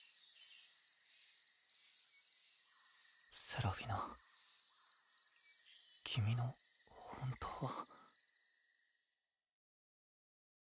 セラフィナ君の本当は？